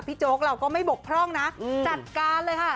โจ๊กเราก็ไม่บกพร่องนะจัดการเลยค่ะ